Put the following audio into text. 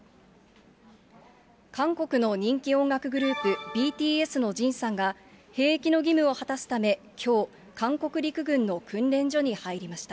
韓国の人気音楽グループ、ＢＴＳのＪＩＮさんが、兵役の義務を果たすため、きょう、韓国陸軍の訓練所に入りました。